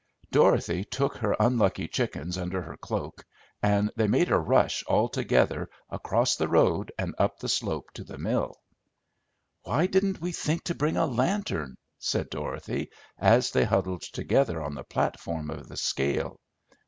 Dorothy took her unlucky chickens under her cloak, and they made a rush all together across the road and up the slope to the mill. "Why didn't we think to bring a lantern?" said Dorothy, as they huddled together on the platform of the scale.